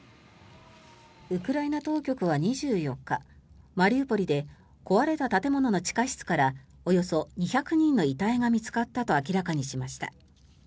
ウクライナ当局は２４日マリウポリで壊れた建物の地下室からおよそ２００人の遺体が見つかったと明らかにしました。